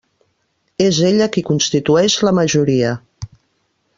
És ella qui constitueix la majoria.